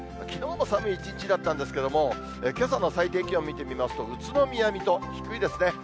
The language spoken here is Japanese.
きのうも寒い一日だったんですけど、けさの最低気温見てみますと、宇都宮、水戸、低いですね。